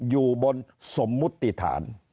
อยู่บนสมมุติฐาน